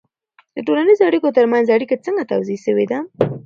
د ټولنیزو اړیکو ترمنځ اړیکه څنګه توضیح سوې ده؟